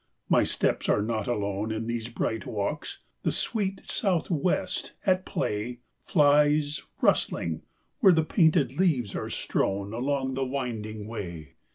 My steps are not alone In these bright walks; the sweet south west, at play, Flies, rustling, where the painted leaves are strown Along the winding way.